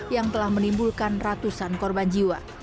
yang telah menimbulkan ratusan korban jiwa